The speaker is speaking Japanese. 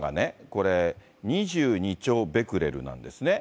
これ、２２兆ベクレルなんですね。